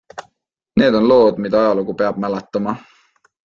Need on lood, mida ajalugu peab mäletama.